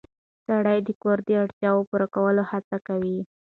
سړی د کور د اړتیاوو پوره کولو هڅه کوي